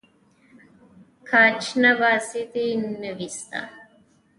که چنه بازي دې نه وي زده.